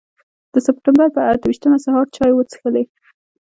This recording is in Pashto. د سپټمبر پر اته ویشتمه سهار چای وڅښلې.